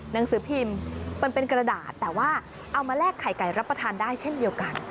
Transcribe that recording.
หนังสือพิมพ์มันเป็นกระดาษแต่ว่าเอามาแลกไข่ไก่รับประทานได้เช่นเดียวกัน